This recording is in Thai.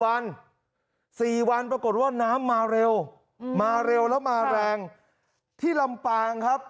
วัน๔วันปรากฏว่าน้ำมาเร็วมาเร็วแล้วมาแรงที่ลำปางครับ